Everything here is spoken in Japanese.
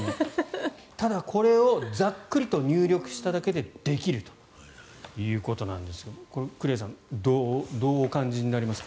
ただ、これをざっくりと入力しただけでできるということですが栗原さんどうお感じになりますか。